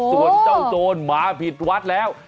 ส่วนเจ้าโจรหมาผิดวัดแล้ว